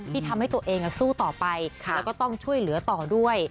ทำให้ตัวเองสู้ต่อไปแล้วก็ต้องช่วยเหลือต่อด้วย